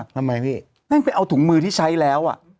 ทำไมพี่แม่งไปเอาถุงมือที่ใช้แล้ว